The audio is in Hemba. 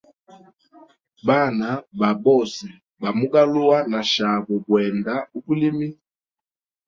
Bana Babose bamugaluwa na shabo bwenda ubulimi.